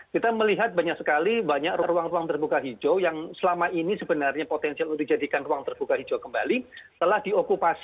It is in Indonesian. kita melihat banyak sekali banyak ruang ruang terbuka hijau yang selama ini sebenarnya potensial untuk dijadikan ruang terbuka hijau kembali telah diokupasi